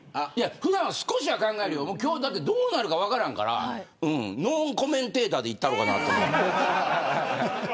普段、少しは考えるけど今日どうなるか分からんからノンコメンテーターでいったろかなと思って。